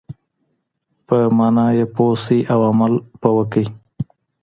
په معنی یې پوه شئ او عمل پرې وکړئ.